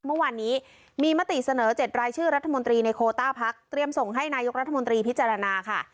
เมื่อวานนี้มีมติเสนอ๗รายชื่อรัฐมนตรีในโคต้าพักเตรียมส่งให้นายกรัฐมนตรีพิจารณาค่ะ